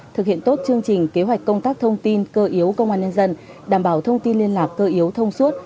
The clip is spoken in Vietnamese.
thực hiện tốt chương trình kế hoạch công tác thông tin cơ yếu công an nhân dân đảm bảo thông tin liên lạc cơ yếu thông suốt